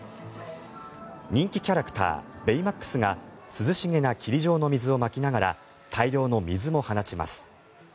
人気キャラクターベイマックスが涼しげな霧状の水をまきながら大量の水も放ちます。